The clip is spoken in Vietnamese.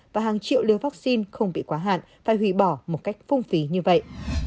và hàng triệu liều vaccine không bị quá hạn phải hủy bỏ một cách phung phí như vậy